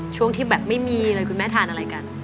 ช่วงที่แบบไม่มีเลยคุณแม่ทานอะไรกัน